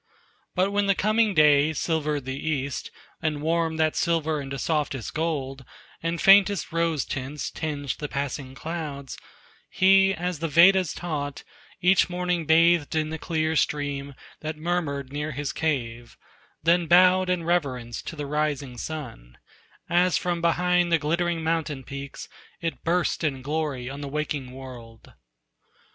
But when the coming day silvered the east, And warmed that silver into softest gold, And faintest rose tints tinged the passing clouds, He, as the Vedas taught, each morning bathed In the clear stream that murmured near his cave, Then bowed in reverence to the rising sun, As from behind the glittering mountain peaks It burst in glory on the waking world.